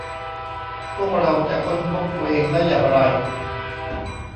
พวกเราจะค้นพบตัวเองได้อย่างไร